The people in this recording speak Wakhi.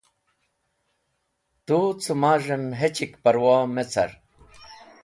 Tu cẽ maz̃h en hechk parwo me car.